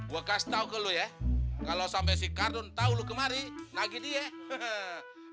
gue kasih tahu ke lo ya kalau sampai sikardun tahu lo kemari nagih dia